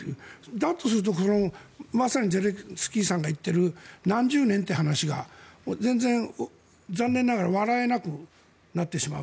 だとするとまさにゼレンスキーさんが言っている何十年という話が全然残念ながら笑えなくなってしまう。